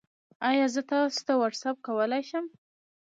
ایا زه تاسو ته واټساپ کولی شم؟